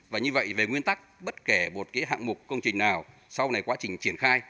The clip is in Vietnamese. và như vậy về nguyên tắc bất kể một hạng mục công trình nào sau này quá trình triển khai